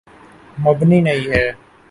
مبنی نہیں ہے۔